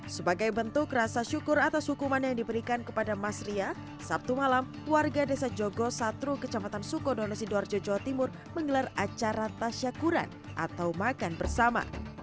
sebagai bentuk rasa syukur atas hukuman yang diberikan kepada mas ria sabtu malam warga desa jogosatru kecamatan sukodono sidoarjo jawa timur menggelar acara tasyakuran atau makan bersama